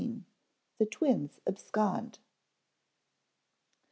_The Twins Abscond.